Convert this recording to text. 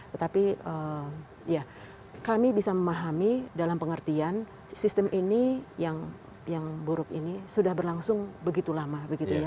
tetapi kami bisa memahami dalam pengertian sistem ini yang buruk ini sudah berlangsung begitu lama